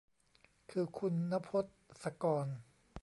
คือคุณณพจน์ศกร